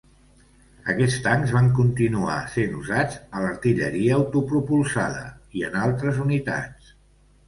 Aquests tancs van continuar sent usats a l'artilleria autopropulsada i en altres unitats.